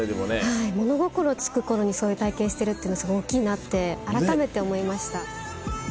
はい物心つく頃にそういう体験してるっていうのすごい大きいなって改めて思いました。